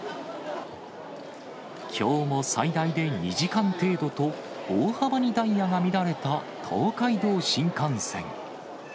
きょうも最大で２時間程度と、大幅にダイヤが乱れた東海道新幹線。